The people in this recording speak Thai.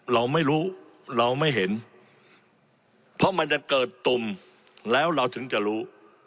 เราไม่รู้เราไม่เห็นเพราะมันจะเกิดตุ่มแล้วเราถึงจะรู้